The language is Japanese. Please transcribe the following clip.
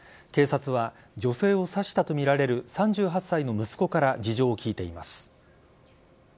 警察は女性を刺したとみられる３８歳の息子から事情を聴いています。